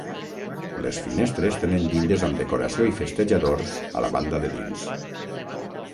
Les finestres tenen llindes amb decoració i festejadors a la banda de dins.